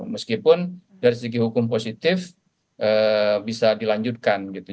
meskipun dari segi hukum positif bisa dilanjutkan gitu